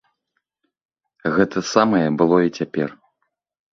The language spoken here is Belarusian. Гэта самае было і цяпер.